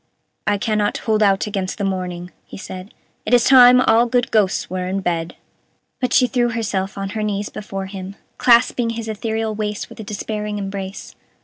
"I cannot hold out against the morning," he said; "it is time all good ghosts were in bed." But she threw herself on her knees before him, clasping his ethereal waist with a despairing embrace.